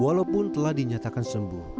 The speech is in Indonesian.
walaupun telah dinyatakan sembuh